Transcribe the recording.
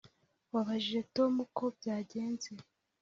Wabajije Tom uko byagenze